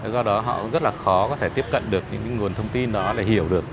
do đó họ rất là khó có thể tiếp cận được những nguồn thông tin đó để hiểu được